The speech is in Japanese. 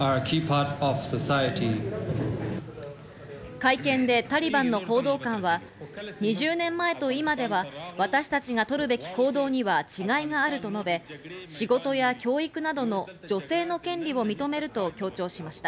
会見でタリバンの報道官は、２０年前と今では私たちが取るべき行動には違いがあると述べ、仕事や教育などの女性の権利を認めると強調しました。